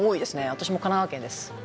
私も神奈川県です。